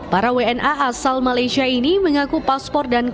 para wna asal malaysia ini mengaku paspor dan kandung